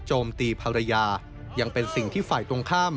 โจมตีภรรยายังเป็นสิ่งที่ฝ่ายตรงข้าม